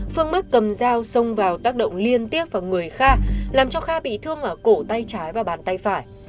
phương mất cầm dao xông vào tác động liên tiếp vào người kha làm cho kha bị thương ở cổ tay trái và bàn tay phải